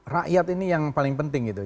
rakyat ini yang paling penting gitu